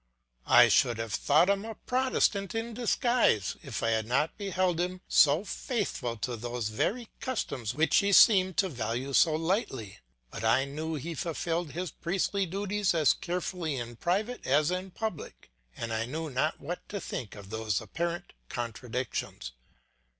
I should have thought him a Protestant in disguise if I had not beheld him so faithful to those very customs which he seemed to value so lightly; but I knew he fulfilled his priestly duties as carefully in private as in public, and I knew not what to think of these apparent contradictions.